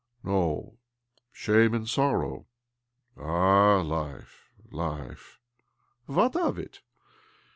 " No, shame and sorrow. Ah, life, life I " "What of it?"